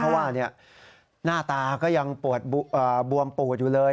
เพราะว่าหน้าตาก็ยังปวดบวมปูดอยู่เลย